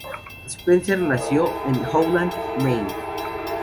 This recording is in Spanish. Spencer nació en Howland, Maine.